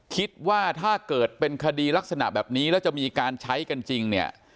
คิดว่าถ้าเกิดเป็นคดีลักษณะแบบนี้แล้วจะมีการใช้กันจริงเนี่ย